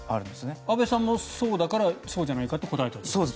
阿部さんもそうだからそうじゃないかと答えたんですか？